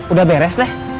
udah beres deh